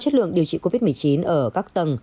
chất lượng điều trị covid một mươi chín ở các tầng